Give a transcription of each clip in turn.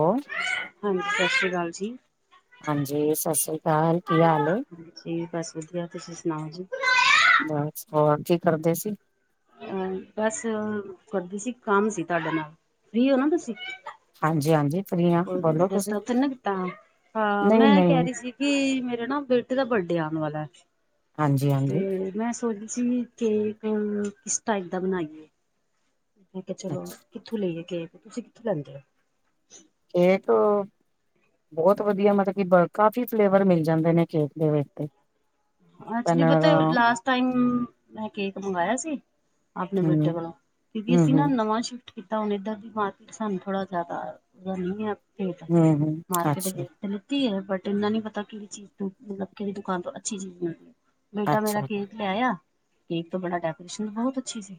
ਹੋ ਹਾਂਜੀ ਸਤਿ ਸ੍ਰੀ ਅਕਾਲ ਜੀ। ਹਾਂਜੀ ਸਤਿ ਸ੍ਰੀ ਅਕਾਲ ਕੀ ਹਾਲ ਐ? ਹਾਂਜੀ ਬਸ ਵਧੀਆ ਤੁਸੀਂ ਸੁਣਾਓ ਜੀ। ਬਸ ਹੋਰ ਕੀ ਕਰਦੇ ਸੀ? ਅਹ ਬਸ ਕਰਦੀ ਸੀ ਕੰਮ ਸੀ ਤੁਹਾਡੇ ਨਾਲ ਫੀ ਹੋ ਨਾ ਤੁਸੀਂ? ਹਾਂਜੀ ਹਾਂਜੀ। ਫ੍ਰੀ ਹਾਂ ਬੋਲੋ ਜਸਟ ਤੁਸੀਂ ਉਥੇ ਨਾ ਕੀਤਾ। ਹਾਂ ਨਹੀਂ ਮੈਂ ਨਹੀਂ ਕਹਿ ਰਹੀ ਸੀ ਕਿ ਮੇਰੇ ਨਾ ਬੇਟੇ ਦਾ ਬਰਡੇ ਆਉਣ ਵਾਲਾ ਹਾਂਜੀ ਹਾਂਜੀ। ਸੋਚਦੇ ਸੀ ਕੇਕ ਕਿਸ ਟਾਈਪ ਦਾ ਬਣਾਈਏ? ਮੈਂ ਕਿਹਾ ਚਲੋ ਅੱਛਾ, ਕਿੱਥੋਂ ਲਈਏ ਕੇਕ। ਤੁਸੀਂ ਕਿੱਥੋਂ ਲੈਂਦੇ ਹੋ? ਕੇਕ ਬਹੁਤ ਵਧੀਆ ਮਤਲਬ ਕਿ ਬ ਕਾਫ਼ੀ ਫਲੇਵਰ ਮਿਲ ਜਾਂਦੇ ਨੇ ਕੇਕ ਦੇ ਵਿੱਚ ਤੇ। ਅੱਚਲੀ ਪਹਿਲਾਂ ਪਤਾ ਹੂੰ ਲਾਸਟ ਟਾਈਮ ਮੈਂ ਕੇਕ ਮੰਗਾਯਾ ਸੀ। ਆਪਣੇ ਬੈਟੇ ਹੂੰ ਕੋਲੋ ਕਿਉਂਕਿ ਹੂੰ ਅਸੀਂ ਨਾ ਨਵਾਂ ਸ਼ ਇਦਾ ਹੁਣ ਇੱਧਰ ਦੀ ਮਾਰਕੀਟ ਸਾਨੂੰ ਥੋੜਾ ਜ਼ਿਆਦਾ ਨਹੀਂ ਏ ਭੇਦ ਹੂੰ ਹੂੰ ਮਾਰਕੀਟ ਅੱਛਾ ਦੇ ਲਿੱਤੀ ਹੈ ਬਟ ਇੰਨਾ ਨੀ ਪਤਾ ਕਿਹੜੀ ਚੀਜ਼ ਤੋਂ ਮਤਲਬ ਕਿਹੜੀ ਦੁਕਾਨ ਤੋਂ ਅੱਛੀ ਚੀਜ਼ ਮਿਲਦੀ ਏ। ਬੇਟਾ ਮੇਰਾ ਅੱਛਾ ਕੇਕ ਲਿਆਇਆ ਕੇਕ ਤੋਂ ਬੜਾ ਡੈਕੋਰੇਸ਼ਨ ਬਹੁਤ ਅੱਛੀ ਸੀ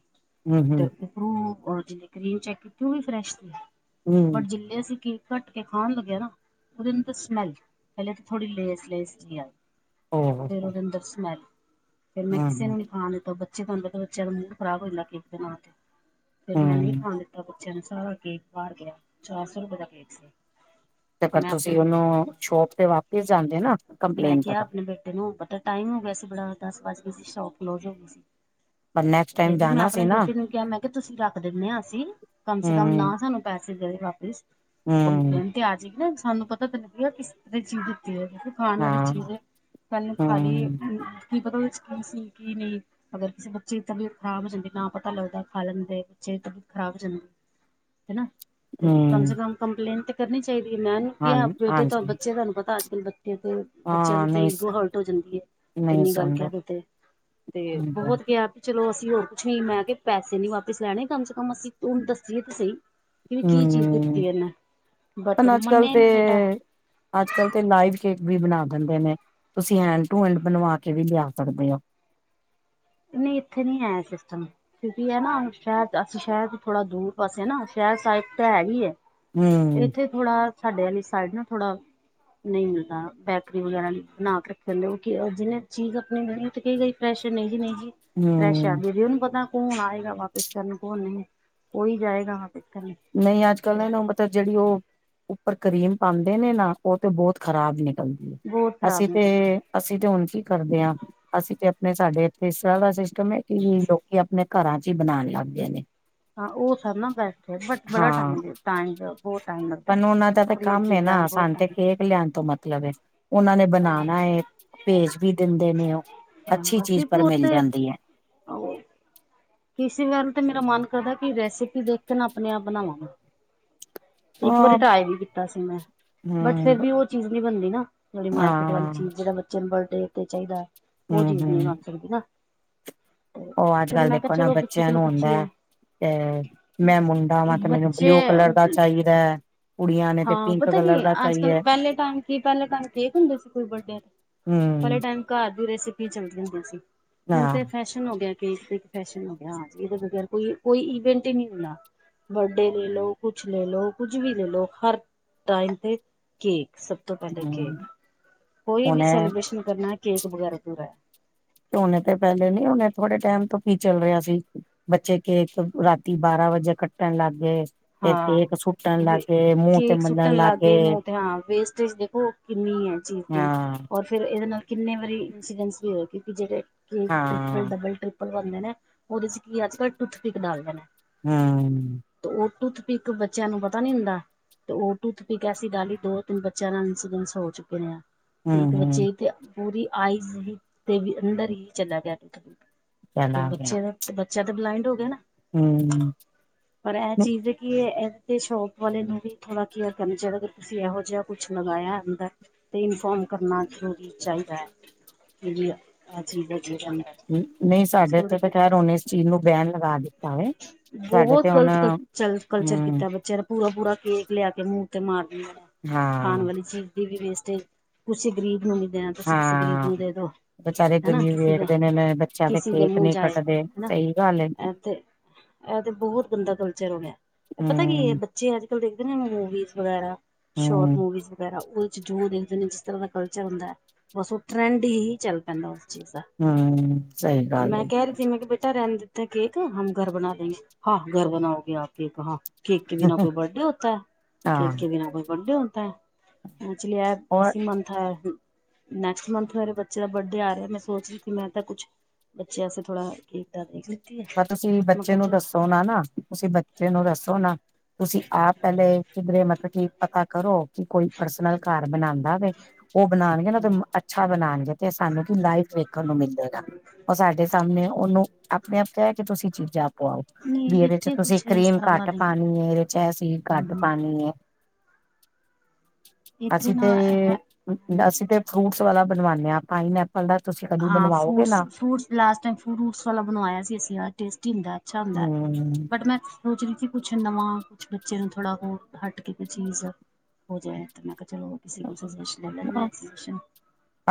ਹੂੰ ਤੇ ਹੂੰ ਰੂ ਰ ਜਿੰਨੇ ਕਰੀਮ ਚੈੱਕ ਕੀਤੀ ਉਹ ਵੀ ਫਰੈਸ਼ ਬਟ ਹੂੰ ਜਿੰਲੀ ਅਸੀਂ ਕੇਕ ਘੱਟ ਕੇ ਖਾਣ ਲੱਗੇ ਨਾ ਉਹਦੇ ਅੰਦਰ ਸਮੈਲ। ਪਹਿਲੇ ਤਾਂ ਥੜੀ ਲੇਸ-ਲੇਸ ਜੀ ਆਈ। ਓ ਫੇਰ ਹੋ ਉਹਦੇ ਅੰਦਰ ਸਮੈਲ, ਫਿਰ ਮੈਂ ਕਿਸੇ ਨੂੰ ਹੂੰ ਨੀ ਖਾ ਦਿੱਤਾ ਬ ਜੇ ਤੁਹਾਨੂੰ ਪਤਾ ਬੱਚਿਆਂ ਦਾ ਮੂਡ ਖ਼ਰਾਬ ਹੋ ਜਾਂਦਾ ਕੇਕ ਦੇ ਨਾਲ ਤੇ ਫ਼ਿਰ ਮੈਂ ਨਹੀਂ ਹੂੰ ਖਾਣ ਦਿੱ ਬੱਚਿਆਂ ਨੇ ਸਾਰਾ ਕੇਕ ਬਾਹਰ ਗਿਆ ਚਾਰ ਸੌ ਰੁਪਏ ਦਾ ਕੇਕ ਸੀ। ਤੇ ਫਰ ਮੈਂ ਤੁਸੀਂ ਆਪਣੇ ਉਹਨੂੰ ਸ਼ੋਪ ਤੇ ਵਾਪਿਸ ਜਾਂਦੇ ਨਾ। ਮੈਂ ਕੰਪਲੇਂਟ ਕਿਹਾ ਕਰਨ ਆਪਣੇ ਬੇਟੇ ਨੂੰ ਪਤਾ ਟਾਈਮ ਹੋ ਗਿਆ ਸੀ, ਬੜਾ ਦਸ ਵੱਜ ਕੇ ਸੀ, ਸ਼ੋਪ ਕਲੋਜ ਹੋ ਗਈ ਸੀ। ਪਰ ਨੈਕਸਟ ਟਾਈਮ ਫੇਰ ਵੀ ਮੈਂ ਜਾਣਾ ਆਪਣੇ ਸੀ ਨਾ ਬੇਟੇ ਨੂੰ ਕਿਹਾ ਮੈਂ ਕਿਹਾ ਤੁਸੀਂ ਰੱਖ ਦਿੰਨੇ ਆ ਅਸੀਂ ਕਮ ਸੇ ਕਮ ਹੂੰ ਨਾ ਸਾਨੂੰ ਪੈਸੇ ਦੇਦੇ ਵਾਪਿਸ ਹੂੰ ਕੰਮਪਲੇਂਨ ਤੇ ਆ ਜਾਏਗੀ ਇਨਸਾਨ ਨੂੰ ਪਤਾ ਤਾਂ ਲੱਗੇਗਾ ਕਿਸ ਤਰ੍ਹਾਂ ਦੀ ਚੀਜ਼ ਦਿੱਤੀ ਏ। ਖਾਣ ਵਾਲੀ ਹਾਂ ਚੀਜ਼ ਏ, ਪਹਿਲਾਂ ਖਾਲੀਐ ਹੂੰ, ਕੀ ਪਤਾ ਉਹਦੇ 'ਚ ਕੀ ਸੀ ਕੀ ਨਹੀਂ। ਅਗਰ ਕਿਸੇ ਬੱਚੇ ਦੀ ਤਬੀਅਤ ਖਰਾਬ ਹੋ ਜਾਂਦੀ ਨਾ ਪਤਾ ਲੱਗਦਾ ਖਾ ਲੈਂਦੇ, ਬੱਚੇ ਦੀ ਤਬੀਅਤ ਖ਼ਰਾਬ ਹੋ ਜਾਂਦੀ। [inaudible] ਹੈਨਾ ਤੇ ਕਮ ਹੂੰ, ਸੇ ਕਮ ਕੰਪਲੇਂਨ ਤੇ ਕਰਨੀ ਚਾਹੀਦੀ ਏ, ਮੈਂਨੂੰ ਹਾਂ [unintelligible] ਬੇਟੇ ਤੋਂ ਹਾਂਜੀ, ਬੱਚੇ ਤੁਹਾਨੂੰ ਪਤਾ ਅੱਜ ਕੱਲ੍ਹ ਬੱਚੇ ਤੋਂ ਬੱਚਿਆਂ ਦੀ ਹਾਂ ਤੇ ਨਹੀਂ ਇਗੋ ਹਰਟ ਹੋ ਜਾਂਦੀ ਏ ਨਹੀਂ ਇੰਨੀ ਗੱਲ ਸੁਣਦਾ ਕੇਦੋ ਤੇ ਤੇ ਹਾਂਜੀ ਹਾਂਜੀ, ਥਹੁਤ [unintelligible] ਚਲੋ ਅਸੀਂ ਹੋਰ ਕੁਛ ਨੀ, ਮੈਂ ਕਿਆ ਪੈਸੇ ਨੀ ਵਾਪਿਸ ਲੈਣੇ ਕਮ ਸੇ ਕਮ ਅਸੀਂ ਤੁੂੰ ਦੱਸੀਏ ਤੇ ਸਹੀ। ਕੀ ਚੀਜ਼ ਹੂੰ, ਦਿੱਤੀ ਏ ਇਨੇ ਬਟ ਮੰਨਿਆ ਇ ਨਿ ਬੇਟਾ। ਅੱਜ ਕੱਲ ਤੇ ਲਾਈਵ ਕੇਕ ਵੀ ਬਣਾ ਦਿੰਦੇ ਨੇ। ਤੁਸੀਂ ਹੈਂਡ ਟੂ ਹੈਂਡ ਬਣਵਾ ਕੇ ਵੀ ਲਿਆ ਸਕਦੇ ਹੋ। ਨਹੀਂ, ਇੱਥੇ ਨੀ ਏ ਐ ਸਿਸਟਮ। ਕਿਉਂਕਿ ਏਨਾ ਸ਼ਹਿਰ 'ਚ ਅਸੀਂ ਸ਼ਹਿਰ 'ਚ ਥੋੜਾ ਦੂਰ ਪਾਸੇ ਆ ਨਾ ਸ਼ਹਿਰ ਸਾਈਡ ਤਾਂ ਹੈ ਹੀ ਏ। ਹੂੰ, ਇੱਥੇ ਥੋੜਾ ਸਾਡੇ ਆਲੀ ਸਾਈਡ ਨਾ ਥੋੜਾ ਨਹੀਂ ਮਿਲਦਾ ਬੈਕਰੀ ਵਗੈਰਾ ਨੀ। [unintelligible] ਫਰੈਸ਼ਰ ਨਹੀਂ ਜੀ, ਨਹੀਂ ਜੀ, ਫਰੈਸ਼ ਆ ਹੂੰ। [inaudible] ਪਤਾ। ਕੌਣ ਆਏਗਾ ਵਾਪਿਸ ਕਰਨ ਕੌਣ ਨਹੀਂ, ਔਈ ਜਾਯੇਗਾ ਵਾਪਿਸ ਕਰਨ। ਨਹੀਂ ਅੱਜ ਕੱਲ੍ਹ ਤੇ ਇਹਨੂੰ ਮਤਲਬ ਜਿਹੜੀ ਉਹ ਉੱਪਰ ਕਰੀਮ ਪਾਂਦੇ ਨੇ ਨਾ ਉਹ ਤੇ ਬਹੁਤ ਖ਼ਰਾਬ ਨ ਬਹੁਤ ਅਸੀਂ ਖ਼ਰਾਬ ਤੇ ਨਿਕਲਦਾ ਹੈ। ਅਸੀਂ ਤੇ ਹੁਣ ਕੀ ਕਰਦੇ ਆ, ਅਸੀਂ ਤੇ ਆਪਣੇ ਸਾਡੇ ਇੱਥੇ ਇਸ ਤਰ੍ਹਾਂ ਦਾ ਸਿਸਟਮ ਏ ਕਿ ਲੋਕੀ ਆਪਣੇ ਘਰਾਂ 'ਚ ਈ ਬਣਾਣ ਲੱਗ ਗਏ ਨੇ। ਹਾਂ, ਉਹ ਸਬ ਨਾਲ ਬੈ ਬਟ ਬੜਾ ਹਾਂ ਟਾਇ-ਟਾਇਮ, ਬਹੁਤ ਟਾਈਮ ਲੱਗਦਾ ਸਾਨੂੰ ਉਹਨਾਂ ਦਾ ਤਾਂ ਬੜੀਆਂ ਕੰਮ ਹੈ ਚੀਜ਼ਾਂ ਨਾ ਬੋਤ ਸਾਨੂੰ ਤੇ ਟਾਇਮ ਕੇਕ ਲਿਆਉਣ ਤੋਂ ਮਤਲਬ ਏ, ਉਹਨਾਂ ਨੇ ਬਣਾਉਣਾ ਏ ਭੇਜ ਵੀ ਦਿੰਦੇ ਨੇ ਉ ਟਾਈਮ ਅੱਛੀ ਚੀਜ਼ ਕਿਉਂਕਿ ਪਰ ਮਿਲ ਉੱਥੇ ਜਾਂਦੀ ਏ। [unintelligible] ਕਿਸੇ ਵੱਲ ਤੇ ਮੇਰਾ ਮਨ ਕਰਦਾ ਕੀ ਰੈਸਿਪੀ ਦੇਖਕੇ ਨਾ ਆਪਣੇ ਆਪ ਬਣਾਵਾ ਮੈਂ। ਇੱਕ ਵਾਰੀ ਉਹ ਟ੍ਰਾਈ ਵੀ ਕੀਤਾ ਸੀ ਮੈਂ ਬਟ ਹਮ ਫੇਿਰ ਵੀ ਉਹ ਚੀਜ਼ ਨਹੀਂ ਬਣਦੀ ਨਾ। ਜਿਹੜੀ ਮਾਰਕੀਟ ਵਾਲੀ ਹਾਂ ਚੀਜ਼ ਜਿਹੜਾ ਬੱਚੇ ਨੂੰ ਬਰਡੇ ਤੇ ਚਾਹੀਦਾ ਹੈ, ਉਹ ਹਮ ਚੀਜ਼ ਨਹੀਂ ਮੰਗ ਸਕਦੀ ਨਾ। ਤੇ ਔ ਅੱਜ ਫਿਰ ਕੱਲ ਮੈਂ ਕਿਹਾ ਦੇਖੋ ਨਾ ਚਲੋ ਕਿਸੇ ਬੱਚਿਆਂ ਕੋਲੋਂ ਨੂੰ ਹੁੰਦਾ ਐ ਪੁੱਛੀਏ ਅ, ਮੈਂ ਮੁੰਡਾ ਵਾਂ ਤੇ ਮੈਨੂੰ ਬੱਚੇ ਬਲਯੂ ਕਲਰ ਦਾ ਚਾਹੀਦਾ। ਕੁੜੀਆਂ ਨੇ ਤੇ ਹਾਂ, ਪਿੰਕ ਪਤਾ ਕੀ ਕਲਰ ਦਾ ਅੱਜ ਕੱਲ ਚਾਹੀਏ ਪਹਿਲੇ ਟਾਈਮ ਕੀ ਪਹਿਲੇ ਟਾਈਮ ਕੇਕ ਹੁੰਦੇ ਸੀ ਕੋਈ ਬਡੇ ਹਮ ਪਹਿਲੇ ਟਾਈਮ ਘਰ ਦੀ ਰੈਸਪੀ ਚੱਲਦੀਆਂ ਹੁੰਦੀ ਸੀ ਹੁਣ ਹਾਂ ਤੇ ਫੈਸ਼ ਖ਼ਤਮ ਹੋ ਗਿਆ ਕੇਕ ਤੇ ਫੈਸ਼ਨ ਹੋ ਗਿਆ [unintelligible] ਇਹਦੇ ਬਗੈਰ ਕੋਈ ਕੋਈ ਇਵੈਂਟ ਹੀ ਨੀ ਹੁੰਦਾ। ਵੱਡੇ ਲੈਲੋ, ਕੁਛ ਲੈਲੋ, ਕੁੱਝ ਵੀ ਲੈਲੋ ਹਰ ਟਾਈਮ ਤੇ ਕੀ ਸ ਸ ਤੋਂ ਪਹਿਲੇ ਕੀ ਹਮ ਕੋਈ ਵੀ ਉਹਨੇ ਸੈਲੀਬ੍ਰੇਸ਼ਨ ਕਰਨਾ ਕੇਕ ਵਗੈਰਾ ਪੂਰਾ। ਝੋਨੇ ਤੇ ਪਹਿਲੇ ਨੀ ਹਨੇ ਥੋੜੇ ਟਾਈਮ ਤੋਂ ਕੀ ਚੱਲ ਰਿਹਾ ਸੀ। ਬੱਚੇ ਕੇਕ ਰਾਤੀ ਬਾਰਾਂ ਵਜੇ ਕੱਟਣ ਲੱਗ ਗਏ। ਫਿਰ ਕੇਕ ਹਾਂ ਸੁੱਟਣ ਲੱਗ ਗਏ ਮੂੰਹ ਤੇ ਕੇਕ ਮਲਣ ਸੁੱਟਣ ਲੱਗ ਗਏ ਮੂੰਹ ਤੇ ਹਾਂ ਵੇਸਟੇਜ ਦੇਖੋ। ਕਿੰਨੀ ਹੈ ਚੀਜ਼ ਦੀ ਹਾਂ ਔਰ। ਫਿਰ ਇਹਦੇ ਨਾਲ ਕਿੰਨੇ ਵਾਰੀ ਇੰਸੀਡੈਂਟਸ ਵੀ ਹੋਏ ਕਿਉਂਕਿ ਜਿਹੜੇ ਕਿ ਟ੍ਰਿਪਲ ਹਾਂ। Double triple. ਲਵਾਉਂਦੇ ਨੇ। ਉਹਦੇ ਚ ਕੀ ਅੱਜ ਕੱਲ੍ਹ ਟੂਥਪਿਕ ਡਾਲ ਦੇਨੇ। ਹਮ। ਤੇ ਉਹ ਟੂਥਪਿਕ ਬੱਚਿਆਂ ਨੂੰ ਪਤਾ ਨੀ ਹੁੰਦਾ। ਤੇ ਉਹ ਟੂਥਪਿਕ ਏਸੀ ਡਾਲੀ ਦੋ ਤਿੰਨ ਬੱਚਿਆਂ ਨਾਲ ਇੰਸੀਡੈਂਸ ਹੋ ਚੁੱਕੇ ਨੇ ਆ। ਇੱਕ ਹਮ ਹਮ ਬੱਚੇ ਤੇ ਪੂਰੀ ਆਈਜ਼ ਹੀ ਤੇ ਅੰਦਰ ਹੀ ਚੱਲਿਆ ਗਿਆ। ਤੋ ਚਲਾ ਬੱਚੇ ਦਾ ਬੱਚਾ ਤਾਂ ਬਲਾਈੰਡ ਹੋ ਗਿਆ ਨਾ। ਹੂੰ। ਪਰ ਇਹ ਚੀਜ਼। ਕੀ ਏ ਤੇ ਸ਼ੋਪ ਵਾਲੇ ਨੂੰ ਵੀ ਥੋੜਾ ਕੇਅਰ ਕਰਨਾ ਚਾਹੀਦਾ ਏ ਕਿ ਤੁਸੀਂ ਇਹੋ ਜਿਹਾ ਕੁਛ ਲਗਾਇਆ ਅੰਦਰ। ਤੇ ਇਨਫੋਮ ਕਰਨਾ ਜਰੂਰੀ ਚਾਹੀਦਾ ਹੈ ਕਿ ਵੀ ਇਹ ਚੀਜ਼ ਹੇਗੀ ਐਦੇ ਅੰਦਰ। ਨਹੀਂ ਅੱਜ ਸਾਡੇ ਕੱਲ ਇੱਥੇ ਤਾਂ ਖੈਰ ਉਹਨੇ ਇਸ ਚੀਜ਼ ਨੂੰ ਬੈਨ ਲਗਾ ਦਿੱਤਾ ਵੇ। ਸਾਡੇ ਬਹੁਤ ਤੇ ਹੁਣ ਗ਼ਲਤ [unintelligible] ਚੱਲ ਕਲਚਰ ਹਮ ਕੀਤਾ ਬੱਚਿਆਂ ਨੇ ਪੂਰਾ ਪੂਰਾ ਕੇਕ ਲਿਆ ਕੇ ਮੂੰਹ ਤੇ ਮਾਰ ਦੇਂਦੇ ਨੇ ਖਾਣ ਹਾਂ ਵਾਲੀ ਚੀਜ਼। ਦੀ ਵੀ ਵੇਸਟੇਜ ਕਿਸੀ ਗਰੀਬ ਨੂੰ ਨ ਦੇਨਾ। ਤੁਸੀਂ ਕਿਸੇ ਗਰੀਬ ਹਾਂ। ਨੂੰ ਦੇ ਦੋ ਵਿਚਾਰੇ ਹੈਨਾ। ਗਰੀਬ ਕਿਸੇ ਦੇ ਵੇਖਦੇ ਨੇ ਨੇ ਬੱਚਿਆਂ ਕਿਸੇ ਦੇ ਕੇਕ ਮੂੰਹ ਨਹੀਂ ਜਾਏ ਕੱਟਦੇ ਹੈਨਾ। ਸਹੀ ਗੱਲ ਏ ਤੇ ਬਹੁਤ ਗੰਦਾ ਕਲਚਰ ਹੋ ਗਿਆ। ਪਤਾ ਕੀ ਏ ਹਮ ਬੱਚੇ ਅੱਜ ਕੱਲ ਦੇਖਦੇ ਨੇ ਮੂਵੀਜ਼ ਵਗੈਰਾ ਹਮ ਸ਼ੋਰਟ ਮੂਵੀਜ਼ ਵਗੈਰਾ। ਜੋ ਦੇਖਦੇ ਨੇ ਜਿਸ ਤਰ੍ਹਾਂ ਦਾ ਕਲਚਰ ਹੁੰਦਾ ਹੈ ਬਸ ਉਹ ਟਰੈਂਡ ਹੀ ਚੱਲਦਾ। ਪੈਂਦਾ ਉਸ ਚੀਜ਼ ਦਾ ਹਮ ਸਹੀ ਗੱਲ ਮੈਂ ਹੈਗੀ। ਕਹਿ ਰਹੀ ਮੈਂ ਕੇ ਬੇਟਾ ਰਹਿਣ ਦਿੱਤਾ ਕੇਕ ਹਮ ਘਰ ਬਣਾ ਲੇਂਗੇ ਹਾਂ ਘਰ ਬਣਾਓਗੇ ਆਪ ਕੇਕ ਹਾਂ। ਕੇਕ ਕੇ ਬਿਨਾਂ ਕੋਈ ਬਰਥਡੇ ਹੋਤਾ ਹੈ ਕੇਕ ਹਾਂ ਕੇ ਬਿਨਾਂ ਕੋਈ ਬਰਥਡੇ ਹੋਦਾ ਹੈ। ਹਾਂਜੀ ਐ ਔਰ ਕੈਸੀ ਮਨਥਾ। ਨੈਕਸਟ ਮੰਥ ਮੇਰੇ ਬੱਚੇ ਦਾ ਬਡੇ ਆ ਰਿਹਾ ਮੈਂ ਸੋਚ ਰਹੀ ਮੈਂ ਤਾਂ ਕੁਛ। ਬੱਚੇਯਾ ਵਾਸਤੇ ਥੋੜਾ ਕੀਤਾ ਦੇਖ। ਹੈ ਪਰ ਤੁਸੀਂ ਮੈਂ ਬੱਚੇ ਕਿਹਾ ਨੂੰ ਚਲੋ ਦੱਸੋ ਨਾ ਨਾ ਤੁਸੀਂ ਬੱਚੇ ਨੂੰ ਦੱਸੋ ਨਾ। ਤੁਸੀਂ ਆਪ ਪਹਿਲੇ ਕਿਧਰੇ ਮਤਲਬ ਕੀ ਪਤਾ ਕਰੋ ਕਿ ਕੋਈ ਪਰਸਨਲ ਘਰ ਬਣਾਉਂਦਾ ਵੇ। ਉਹ ਬਣਾਉਣਗੇ ਨਾ ਤੇ ਅੱਛਾ ਬਣਾਉਣਗੇ ਤੇ ਸਾਨੂੰ ਕੀ ਲਾਈਫ ਚ ਵੇਖਣ ਨੂੰ ਮਿਲਲੇਗਾ ਉਹ ਸਾਡੇ। ਸਾਹਮਣੇ ਉਹਨੂੰ ਆਪਣੇ ਆਪ ਕਹਿ ਕੇ ਤੁਸੀਂ ਚੀਜ਼ਾਂ। ਪਾਓ ਨਹੀਂ ਵੀ ਇਹਦੇ ਚ ਇੱਥੇ ਤੁਸੀਂ ਕੁਛ ਇਸ ਕਰੀਮ ਤਰ੍ਹਾਂ ਦਾ ਘੱਟ ਨਹੀਂ ਹੈ ਪਾਣੀ ਏ ਇਹਦੇ ਚ ਇਹ ਘੱਟ ਹਮ, ਪਾਣੀ ਏ। ਇੱਥੇ ਅਸੀਂ ਤੇ ਨਾ ਹੈ ਹਾਂਜੀ ਹਾਂਜੀ ਅਸੀਂ ਤੇ ਫਰੂਟਸ ਵਾਲਾ ਬਣਵਾਣੇ ਹਾਂ ਪਾਈਨ ਐਪਲ। ਐੱਪਲ ਦਾ ਤੁਸੀਂ ਕਦੀ ਹਾਂ ਬਣਵਾਓਗੇ ਫਰੂਟਸ ਨਾ। ਫਰੂਟਸ ਲਾਸਟ ਟਾਇਮ ਫਰੂਟਸ ਵਾਲਾ ਬਣਵਾਇਆ ਸੀ ਅਸੀ। ਟੇਸਟੀ ਹੁੰਦਾ ਅੱਛਾ ਹੁੰਦਾ ਹਮ ਬਟ ਮੈਂ। ਸੋਚ ਰਹੀ ਸੀ ਕੁਛ ਨਵਾਂ ਕੁਛ ਬੱਚੇ ਨੂੰ ਥੋੜਾ ਹੋਰ ਹਟ ਕੇ ਕੋ ਚੀਜ਼। ਹੋ ਜਾਏ ਤਾਂ ਮੈਂ ਕਿਹਾ ਚਲੋ। [unintelligible] ਕੋ ਸ ਲ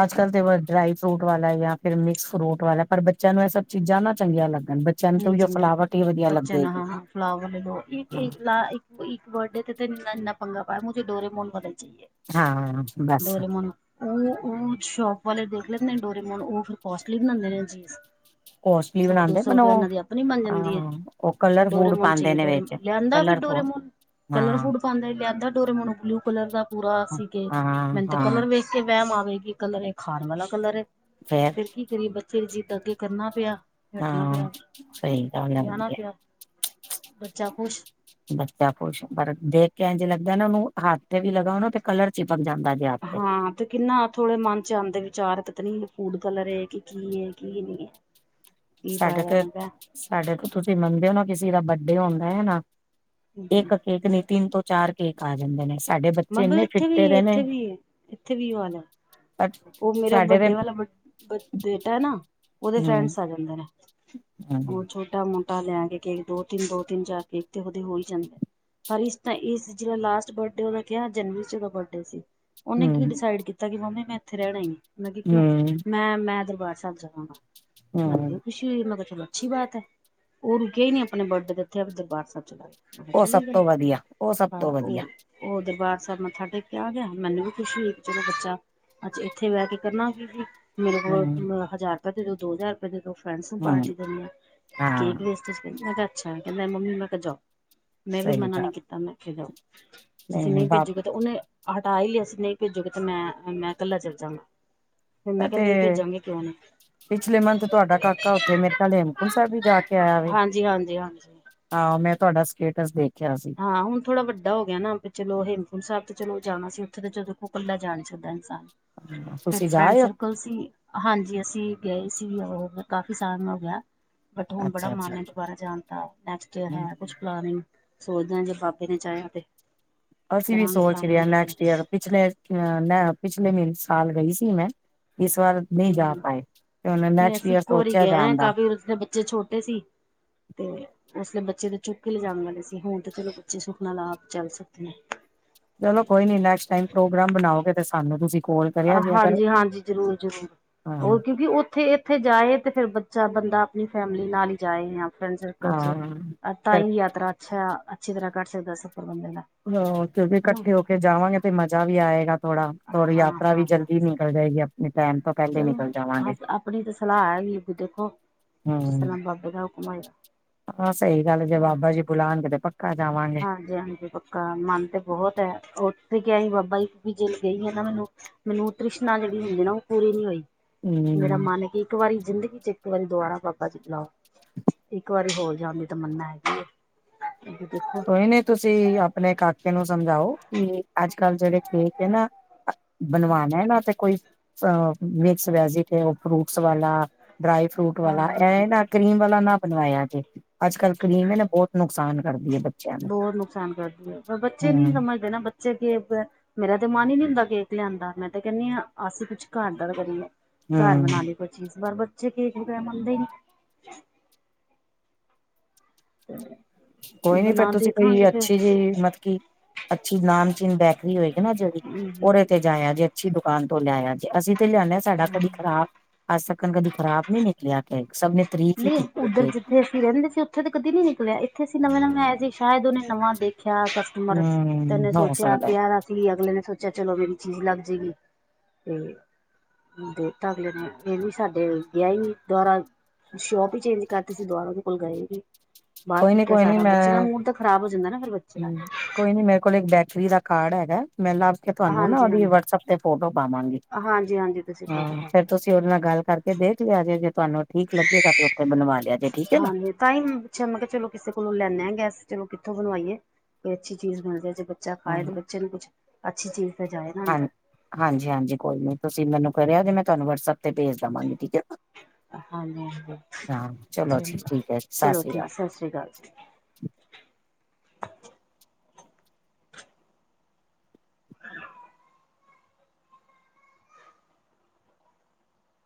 ਅੱਜ ਕੱਲ੍ਹ ਤੇ ਬਸ ਡਰਾਈ ਫਰੂਟ ਵਾਲਾ ਹੈ ਯਾ ਫਿਰ ਮਿਕਸ ਫਰੂਟ ਵਾਲਾ ਹੈ ਪਰ ਬੱਚਿਆਂ ਨੂੰ ਇਹ ਸਭ ਚੀਜ਼ਾਂ ਨਾ ਚੰਗੀਆਂ ਲੱਗਣ। ਨੂੰ ਤਾਂ ਨਹੀਂ ਉਹੀਓ ਚੰਗੇ ਫਲਾਵਟ ਹੀ ਰਦੇ ਵਧੀਆ ਬੱਚਿਆਂ ਨੇ ਲੱਗੇਗੀ। ਹ ਫਲਾਵਰ ਲ। ਇੱਕ ਬਰਥਡੇ ਤੇ ਇੰਨਾ ਪੰਗਾ ਪਾਇਆ ਮੁਝੇ ਡੋਰੇਮੋਨ ਵਾਲਾ ਹੀ ਚਾਹੀਏ। ਹਾਂ ਬੱਸ। ਡੋਰੇਮੋਨ ਉਹ ਉਹ ਸ਼ੋਪ ਵਾਲੇ ਦੇਖ ਲੈਂਦੇ ਨੇ ਡੋਰੇਮੋਨ ਉਹ ਫਿਰ ਕੋਸਟਲੀ ਬਣਾਉਂਦੇ ਨੇ ਚੀਜ਼। ਕੋਸਟਲੀ ਸੌ ਦੋ ਬਣਾਉਂਦੇ। ਸੌ ਰੁਪਇਆ ਇਹਨਾਂ ਦੀ ਆਪਣੀ ਬਣ ਜਾਂਦੀ ਹੈ ਕਲਰ ਡੋਰੇ ਫੂਡ ਮੁੋਨ ਚ ਪਾਂਦੇ ਹੀ ਨੇ ਡੋਰੇ ਵਿੱਚ ਲਿਆਂਦਾ ਫਿਰ ਕਲਰਫੁਲ ਡੋਰੇਮੋਨ। ਕਲਰ ਹਾਂ। ਫੁਡ ਪਾਉਂਦੇ ਜਿਆਦਾ ਡੋਰੇਮੋਨ ਬਲੂ ਕਲਰ ਦਾ ਪੂਰਾ ਸੀਗਾ ਕੇਕ। ਮੈਨੂੰ ਤੇ ਹਾਂ-ਹਾਂ ਕਲਰ ਵੇਖ। ਕਿ ਵਹਿਮ ਆਵੇ ਕਿ ਕਲਰ ਇਹ ਖਾਣ ਵਾਲਾ ਕਲਰ ਏ, ਫੇਰ ਕੀ ਕਰੀਏ ਬੱਚੇ ਦੀ ਜਿੱਦ ਅੱਗੇ ਕਰਨਾ ਪਿਆ। ਨੱਠਣਾ ਹਾਂ, ਪਿਆ [unintelligible] ਸਹੀ ਗਲ ਹੇਗੀ ਲਿਆਣਾ ਏ। ਪਿਆ ਬੱਚਾ ਖੁਸ਼। ਬੱਚਾ ਖੁਸ਼ ਪਰ ਦੇਖ ਕੇੰ ਇੰਜ ਲੱਗਦਾ ਨਾਂ ਉਹਨੂੰ, ਹੱਥ ਤੇ ਵੀ ਲਗਾ ਉਹ ਤੇ ਕਲਰ ਚਿਪਕ ਜਾਂਦਾ। ਜੇ ਹੱਥ ਹਾਂ ਤੇ ਕਿੰਨਾ ਥੋੜ੍ਹੇ ਮਨ ਚ ਆਉਂਦੇ ਵਿਚਾਰ ਪਤਾ ਨਹੀਂ ਫੂਡ ਕਲਰ ਕਿ ਕੀ ਐ ਕੀ ਨਈਂ ਐ। ਸਾਡੇ ਤੇ, ਸਾਡੇ ਤੋਂ ਤੁਸੀਂ ਮੰਨਦੇ ਓ ਨਾਂ ਕਿਸੇ ਦਾ ਬਰਡੇ ਹੁੰਦਾ ਐ ਨਾਂ। ਇੱਕ ਕੇਕ ਨੀਂ, ਤਿੰਨ ਤੋਂ ਚਾਰ ਕੇਕ ਆ ਜਾਂਦੇ ਨੇਂ, ਸਾਡੇ ਬੱਚੇ ਮਤਲਬ ਇੰਨੇ ਇੱਥੇ ਵੀ ਫਿੱਟੇ ਦੇ ਨੇਂ। ਇੱਥੇ ਵੀ ਇੱਥੇ ਵੀ ਉਹ ਨਾ ਉਹ ਮੇਰਾ ਸਾਡੇ ਦੇ ਵੱਡੇ ਵਾਲਾ ਬ ਬ ਬੇਟਾ ਏ ਨਾਂ, ਉਹਦੇ ਹੂੰ ਫਰੈਂਡਸ ਆ ਜਾਂਦੇ ਨੇਂ। ਹੂੰ ਉਹ ਛੋਟਾ-ਮੋਟਾ ਲਿਆਂ ਕੇ ਕੇਕ ਦੋ-ਤਿੰਨ, ਦੋ-ਤਿੰਨ, ਚਾਰ ਕੇਕ ਤੇ ਉਹਦੇ ਹੋਈ ਜਾਂਦੇ। ਪਰ ਇਸ ਤਾਂ, ਇਸ ਜਿਹੜਾ ਲਾਸਟ ਬਰਡੇ ਉਹਦਾ ਗਯਾ ਜਨਵਰੀ ਚ ਉਹਦਾ ਬਰਡੇ ਸੀ। ਉਹਨੇ ਕੀ ਹੂੰ ਡਿਸਾਈਡ ਕੀਤਾ ਕਿ ਮੰਮੀ ਮੈਂ ਤੇ ਇੱਥੇ ਰਹਿਣਾ ਈ ਨੀਂ। ਮੈਂ ਕਿਹਾ ਕਿਉਂ? ਹੂੰ ਮੈਂ, ਮੈਂ ਦਰਬਾਰ ਸਾਹਿਬ ਜਾਨਾ। ਹਾਂ, ਹਾਂਜੀ। ਮੈਂ ਕਿਹਾ ਚਲੋ ਅੱਛੀ ਬਾਤ ਐ, ਉਹ ਰੁਕਿਆ ਈ ਨੀਂ ਆਪਣੇ ਬਰਡੇ ਦੇ ਉੱਥੇ, ਦਰਬਾਰ ਸਾਹਿਬ ਚਲਾ ਗਿਆ। ਮੈਂ ਕਿਹਾ ਉਹ ਚਲੋ ਸਭ ਇਹ ਗੱਲ ਤੋਂ ਵਧੀਆ, ਉਹ ਸਭ ਹਾਂ ਤੋਂ ਵਧੀਆ। ਉਹ ਉਹ ਦਰਬਾਰ ਸਾਹਿਬ ਮੱਥਾ ਟੇਕ ਕੇ ਆ ਗਿਆ, ਮੈਨੂੰ ਵੀ ਖੁਸ਼ ਹੋਈ ਕਿ ਚਲੋ ਬੱਚਾ। ਅੱਛਾ ਇੱਥੇ ਬੇਅ ਕੇ ਕਰਨਾ ਕੀ ਸੀ। ਮੇਰੇ ਕੋਲ ਹੂੰ ਹਜ਼ਾਰ ਰੁਪਆ ਦੇ ਦਓ, ਦੋ ਹਜ਼ਾਰ ਫਰੈਂਡਸ ਨੂੰ ਹੂੰ ਪਾਰਟੀ ਦੇਣੀ ਹਾਂ ਕੇਕ ਵੇਸਟਏਜ ਕਰ ਮੈਂ ਕਿਹਾ, ਅੱਛਾ। ਕਹਿੰਦਾ ਮੰਮੀ ਮੈਂ ਕਿਹਾ ਜਾਓ। ਮੈਂ ਵੀ ਸਹੀ ਮਨਾ ਗੱਲ ਨ੍ਹੀਂ ਕੀਤਾ। ਮੈਂ ਕਿਆ ਜਾਓ। ਨਹੀਂ ਤੁਸੀਂ ਨਹੀਂ ਨਈਂ ਬਾਪ ਭੇਜਗੇ ਤਾਂ ਉਹਨੇਂ ਹਟਾ ਹੀ ੳਸਨੇ ਨਹੀਂ ਭੇਜੋਗੇ ਤੇ ਮੈਂ, ਮੈਂ ਕੱਲਾ ਚੱਲ ਜਾਂਗਾ, ਫਿਰ ਮੈਂ ਕਿਹਾ ਤੇ ਨਹੀਂ ਭੇਜਾਂਗੇ ਕਿਉਂ ਨਹੀਂ ਪਿਛਲੇ ਮੰਥ ਤੁਹਾਡਾ ਕਾਕਾ ਉੱਥੇ ਮੇਰੇ ਨਾਲ ਹੇਮਕੁੰਟ ਸਾਹਿਬ ਵੀ ਜਾ ਕੇ ਆਇਆ ਵੇ। ਹਾਂਜੀ, ਹਾਂਜੀ, ਹਾਂਜੀ। ਹਾਂ ਮੈਂ ਤੁਹਾਡਾ ਸਟੇਟਸ ਦੇਖਿਆ ਸੀ। ਹਾਂ ਹੁਣ ਥੋੜ੍ਹਾ ਵੱਡਾ ਹੋ ਗਿਆ ਨਾਂ ਵੀ ਚਲੋ, ਹੇਮੁੂਕੁੰਡ ਸਾਹਿਬ ਚਲੋ ਜਾਣਾ ਸੀ ਉੱਥੇ ਤੇ ਚਦ ਦੇਖੋ ਕੱਲਾ ਜਾ ਨਈਂ ਸਕਦਾ ਇਨਸਾਨ। ਇੱਕ ਤੁਸੀਂ ਜਾ ਫਰੈਂਡ ਆਏ ਹੋ ਸਰਕਲ ਸੀ ਹਾਂਜੀ ਅਸੀਂ ਗਏ ਸੀ, ਉਹ ਕਾਫੀ ਆਸਾਨ ਹੋ ਗਿਆ। ਬਟ ਹੁਣ ਬੜਾ ਅੱਛਾ ਮਨ ਏ ਦੁਬਾਰਾ ਜਾਣ ਦਾ। ਨੈਕਸਟ ਈਅਰ ਹੈ ਅੱਛਾ ਕੁਛ ਪਲਾਨਿਗ ਸੋਚਦਾ ਜੇ ਬਾਬੇ ਨੇਂ ਚਾਹਿਆ ਤੇ। ਅਸੀਂ ਵੀ ਕਰਾਂਗੇ ਸੋਚ ਰਹੇ ਪਲਾਨਿੰਗ ਆਂ, ਜਾਣ ਨੈਕਸਟ ਦੀ ਈਅਰ ਪਿਛਲੇ। ਅ ਮੈਂ ਪਿਛਲੇ ਮ ਸਾਲ ਗਈ ਸੀ ਮੈਂ, ਇਸ ਵਾਰ ਹਂ, ਨਹੀਂ ਜਾ ਪਾਏ ਤੇ ਉਹਨੇ ਨਈਂ ਨੈਕਸਟ ਅਸੀਂ ਈਅਰ ਇੱਕੋ ਵਾਰੀ ਸੋਚਿਆ ਗਏ ਆਂ ਜਾਣ ਦਾ ਕਾਫੀ ਦੇ ਬੱਚੇ ਛੋਟੇ ਸੀ। ਤੇ ਉਸਲੇ ਬੱਚੇ ਦੇ ਚੁੱਕ ਕੇ ਲਿਜਾਣ ਵਾਲੇ ਸੀ, ਹੁਣ ਤੇ ਚਲੋ ਬੱਚੇ ਸੁੱਖ ਨਾਲ ਆਪ ਚੱਲ ਸਕਦੇ ਆ। ਚਲੋ ਕੋਈ ਨੀਂ ਨੈਕਸਟ ਟਾਈਮ ਪ੍ਰੋਗਰਾਮ ਬਣਾਓਗੇ ਤੇ ਸਾਨੂੰ ਤੁਸੀਂ ਕੋਲ ਆ ਕਰਿਆ ਜੇ ਅਗਰ ਹਾਂਜੀ ਹਾਂਜੀ, ਜ਼ਰੂਰ ਜਰੂਰ, ਹਾਂ ਉਹ ਕਿਉਂਕਿ ਉੱਥੇ ਉੱਥੇ ਜਾਏ ਤੇ ਫਿਰ ਬੱਚਾ ਬੰਦਾ ਆਪਣੀ ਫੈਮਿਲੀ ਨਾਲ ਈ ਜਾਏ ਆ ਫਰੈਂਡ ਸਰਕਲ ਚ ਹਾਂ ਤਾਂ ਫਿਰ ਹੀ ਯਾਤਰਾ ਅੱਛਾ, ਅੱਛੀ ਤਰ੍ਹਾਂ ਕਟ ਸਕਦਾ ਸਫ਼ਰ ਬੰਦੇ ਦਾ। ਹਾਂ ਕਿਉਂਕਿ ਹਨਾ। ਕੱਠੇ ਹੋ ਕੇ ਜਾਵਾਂਗੇ ਤੇ ਮਜ਼ਾ ਵੀ ਆਏਗਾ ਥੋੜਾ, ਯਾਤਰਾ ਹਾਂ-ਹਾਂ, ਵੀ ਜਲਦੀ ਕੀ ਨਿਕਲ ਜਾਏਗੀ ਆਪਣੇ ਟਾਈਮ ਤੋਂ ਪਹਿਲੇ ਨਿਕਲ ਜਾਵਾਂਗੇ। ਅਪਣੀ ਤਾਂ ਸਲਾਹ ਹੈਗੀ ਏ ਫੇਰ ਦੇਖੋ ਹਂ, ਜਿਸ ਤਰ੍ਹਾਂ ਬਾਬੇ ਦਾ ਹੁਕਮ ਹੋਏਗਾ। ਹਾਂ ਸਹੀ ਗੱਲ ਏ, ਜੇ ਬਾਬਾ ਜੀ ਬੁਲਾਨਗੇ ਤੇ ਪਕ ਹਾਂਜੀ ਹਾਂਜੀ, ਪਕ ਹਾਂ, ਮਨ ਤੇ ਬਹੁਤ ਐ, ਉੱਥੇ ਕਿਆ ਹੀ ਬਾਬਾ ਜੀ ਵੀ ਜੇ ਗਈ ਆ ਨਾਂ ਮੈਨੂੰ। ਮੈਨੂੰ ੳਹ ਤ੍ਰਿਸ਼ਨਾ ਜਿਹੜੀ ਹੁੰਦੀ ਨਾਂ ਉਹ ਪੂਰੀ ਨੀਂ ਹੋਈ। ਮੇਰਾ ਹਮ ਮਨ ਇੱਕ ਵਾਰੀ ਜ਼ਿੰਦਗੀ ਚ ਇੱਕ ਵਾਰੀ ਦੁਬਾਰਾ ਬਾਬਾ ਜੀ ਬੁਲਾਓ। ਇੱਕ ਵਾਰੀ ਹੋਰ ਜਾਂਣ ਦੀ ਤਮੰਨਾ ਹੈਗੀ ਐ। ਕੋਈ ਨਈਂ ਤੁਸੀ ਅਪਣੇ ਕਾਕੇ ਨੂੰ ਸਮਝਾਓ ਕਿ ਅੱਜ-ਕੱਲ ਜਿਹੜੇ ਕੇਕ ਏ ਨਾਂ ਬਣਵਾ ਏਨਾਂ ਤੇ ਕੋਈ ਅ ਮਿਕਸ ਵੈਜੀ ਤੇ ਉਹ ਫਰੂਟਸ ਵਾਲਾ, ਡਰਾਈ ਫਰੂਟ ਵਾਲਾ, ਹਾਂਜੀ ਹਾਂਜੀ ਇਹ ਨਾ ਕਰੀਮ ਵਾਲਾ ਨਾਂ ਬਣਵਾਇਆ ਜੇ। ਅੱਜ ਕੱਲ੍ਹ ਕਰੀਮ ਇਹ ਨਾ ਬਹੁਤ ਨੁਕਸਾਨ ਕਰਦੀ ਹੈ ਬੱਚ ਬਹੁਤ ਨੁਕਸਾਨ ਕਰਦੀ ਹੈ ਪਰ ਬੱਚੇ ਨਹੀਂ ਹਮ ਸਮਝਦੇ ਨਾ ਬੱਚੇ ਅੱਗੇ ਮੇਰਾ ਤੇ ਮਨ ਹੀ ਨਹੀਂ ਹੁੰਦਾ ਕੇਕ ਲਿਆਣ ਦਾ ਮੈਂ ਤੇ ਕਹਿੰਨੀ ਹਾਂ ਅਸੀਂ ਕੁਛ ਘਰ ਦਾ ਕਰੀਏ। ਘਰ ਬਣਾ ਹਮ ਲਈ ਕੋਈ ਚੀਜ਼ ਪਰ ਬੱਚੇ ਕੇਕ ਬਗੈਰ ਮੰਨਦੇ ਹੀ ਨਹੀ। ਕੋਈ ਨਹੀਂ ਨੀ ਫੇਰ ਬਣਾ ਤੁਸੀਂ ਦੇਖਾਂਗੇ ਕੋਈ ਫਿਰ ਅੱਛੀ ਜਿਹੀ ਮਤਲਬ ਕੀ ਅੱਛੀ ਨਾਮਚੀਨ ਬੈਕਰੀ ਹੋਏਗੀ ਨਾ ਜਿਹੜੀ, ਉਰੇ ਤੇ ਜਾਇਆ ਜੇ ਅੱਛੀ ਦੁਕਾਨ ਤੋਂ ਲਿਆਇਆ ਜੇ ਅਸੀਂ ਤੇ ਲਿਆਦੇ ਹਾਂ ਸਾਡਾ ਕਦੀ ਖਰਾਬ ਅੱਜ ਤੱਕ ਤੱਕ ਕਦੀ ਖਰਾਬ ਨੀ ਨਿਕਲਿਆ ਸਭ ਨੇ ਤਾਰੀਫ਼ ਹੀ ਨਹੀਂ ਕੀਤੀ ਉੱਧਰ ਏ। ਜਿੱਥੇ ਅਸੀਂ ਰਹਿੰਦੇ ਸੀ ਉੱਥੇ ਤਾਂ ਕਦੀ ਨੀ ਨਿਕਲਿਆ ਇੱਥੇ ਅਸੀਂ ਨਵੇਂ ਨਵੇਂ ਆਏ ਸੀ ਸ਼ਾਇਦ ਉਹਨੇ ਨਵਾਂ ਦੇਖਿਆ ਉਮਰ, ਹੂੰ, ਤੈਨੇ ਹੋ ਸੋਚਿਆ ਸਕਦਾ ਪਿਆ ਦਾ। ਸੀ ਅਗਲੇ ਨੇ ਸੋਚਿਆ ਚਲੋ ਮੇਰੀ ਚੀਜ਼ ਲੱਗ ਜਾਏਗੀ, ਤੇ ਦੇ ਤਾਂ ਅਗਲੇ ਨੇ ਇਹ ਵੀ ਸਾਡੇ ਵਿਆਹੀ ਦੁਆਰਾ ਸ਼ੋਪ ਹੀ ਚੇਂਜ ਕਰਤੀ ਸੀ ਦੁਬਾਰਾ ਉਹਦੇ ਕੋਲ ਗਏ ਵੀ, ਬਾਹਰ ਕੋਈ ਨੀ ਸੁੁੱਟਿਆ ਕੋਈ ਨੀ ਸਾਰਾ ਬੱਚਿਆਂ ਮੈਂ ਮੂਡ ਤੱਕ ਖ਼ਰਾਬ ਹੋ ਜਾਂਦਾ ਨਾ ਫੇਰ ਬੱਚੇ ਦਾ। ਹੂੰ, ਕੋਈ ਨੀ ਮੇਰੇ ਕੋਲ ਇੱਕ ਬੈਟਰੀ ਦਾ ਕਾਰਡ ਹੈਗਾ ਮੈਂ ਲੱਭ ਕੇ ਤੁਹਾਨੂੰ ਨਾ ਹਾਂਜੀ ਉਹਦੀ ਹਾਂਜੀ ਵਟਸਐਪ ਤੇ ਫੋਟੋ ਪਾਵਾਂਗੀ। ਹਾਂਜੀ ਹਾਂਜੀ ਤੁਸੀਂ ਹਾਂ ਪੈਕ ਕਰ ਫੇਰ ਦੇਣਾ ਤੁਸੀਂ ਉਹਦੇ ਨਾਲ ਗੱਲ ਕਰਕੇ ਦੇਖ ਲਓ ਜੇ ਤੁਹਾਨੂੰ ਠੀਕ ਲੱਗੇ ਤਾਂ ਉੱਥੇ ਬਣਵਾ ਲਿਆ ਜੇ ਠੀਕ ਏ ਨਾ। ਹਾਂਜੀ ਤਾਂ ਹੀ ਮੈਂ ਪੁੱਛਿਆ ਮੈਂ ਕਿਹਾ ਚਲੋ ਕਿਸੇ ਕੋਲੋਂ ਲੈਨੇ ਆ ਗਿੱਸ ਚਲੋ ਕਿੱਥੋਂ ਬਣਵਾਈਏ ਕੋਈ ਅੱਛੀ ਚੀਜ਼ ਬਣ ਜਾ ਜੇ। ਬੱਚਾ ਹਾਂ ਖਾਏ ਬੱਚੇ ਨੂੰ ਕੁਛ, ਅੱਛੀ ਚੀਜ਼ ਤੇ ਜਾਏ ਨਾ ਅੰਦਰ। ਹਾਂਜੀ-ਹਾਂਜੀ ਕੋਈ ਨੀ ਤੁਸੀਂ ਮੈਨੂੰ ਕਰਿਆ ਜੇ ਮੈਂ ਤੁਹਾਨੂੰ ਵਟਸਐਪ ਤੇ ਭੇਜ ਦੇਵਾਂਗੀ ਠੀਕ ਏ। ਹਾਂਜੀ ਹਾਂਜੀ ਹਾਂ ਚਲੋ ਜੀ ਠੀਕ ਸਤਿ ਚਲੋ ਸ੍ਰੀ ਅਕਾਲ। ਠੀਕ ਸਤਿ ਸ਼੍ਰੀ ਅਕਾਲ ਜੀ